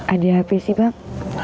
ada hp sih bang